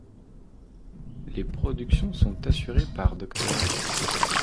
Les productions sont assurées par Dr.